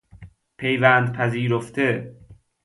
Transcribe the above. پیوند پذیرفته